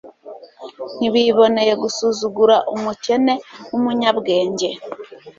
ntibiboneye gusuzugura umukene w'umunyabwenge